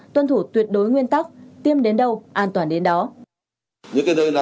tuân thủ tuyệt đối nguyên tắc tiêm đến đâu an toàn đến đó